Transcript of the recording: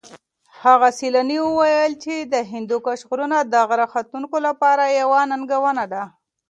هغه سېلاني وویل چې د هندوکش غرونه د غره ختونکو لپاره یوه ننګونه ده.